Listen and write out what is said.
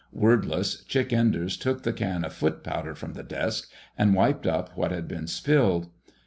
Wordless, Chick Enders took the can of foot powder from the desk and wiped up what had been spilled.